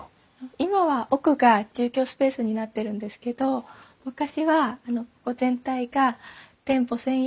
今は奥が住居スペースになってるんですけど昔はここ全体が店舗専用の建物だったみたいなんです。